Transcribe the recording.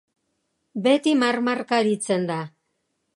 Beti marmarka aritzen da.